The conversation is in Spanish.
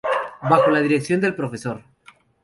Bajo la dirección del Prof.